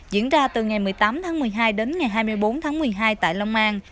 diễn ra từ ngày một mươi tám tháng một mươi hai đến ngày hai mươi bốn tháng một mươi hai tại long an